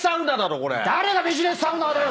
誰がビジネスサウナーだよ！